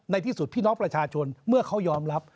ในที่สุดพี่น้องประชาชนเมื่อเขายอมรับ